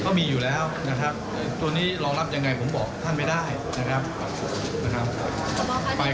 ก็มีอยู่แล้วนะครับตัวนี้รองรับยังไงผมบอกท่านไม่ได้นะครับ